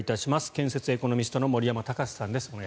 建設エコノミストの森山高至さんです。